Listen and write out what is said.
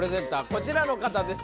こちらの方です